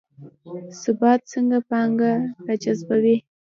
ثبات څنګه پانګه راجذبوي؟